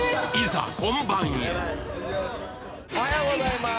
おはようございます